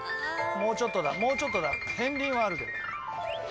もうちょっとだもうちょっとだ片りんはあるけど。